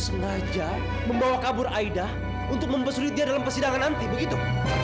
tengah tengah membawa kabur aida untuk membesulit dia dalam persidangan nanti begitu